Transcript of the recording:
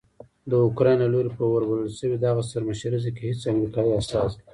داوکرایین له لوري په وربلل شوې دغه سرمشریزه کې هیڅ امریکایي استازی